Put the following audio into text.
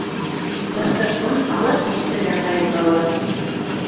Кышты-шон ала шиштӹвлӓ кайыкалат